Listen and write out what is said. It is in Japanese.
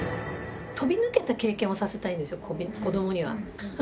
飛び抜けた経験をさせたいんですよ、子どもには。